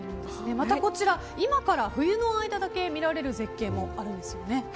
またこちら、今から冬の間だけ見られる絶景もあるんですよね。